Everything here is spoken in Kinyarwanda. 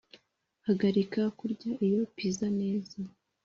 hagarika kurya 'iyo pizza neza